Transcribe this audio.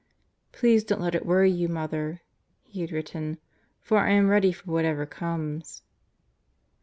"Please don't let it worry you, Mother," he had written, "for I am ready for whatever comes."